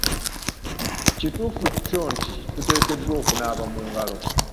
Kituufu kyo nti tuteekeddwa okunaaba mu ngalo.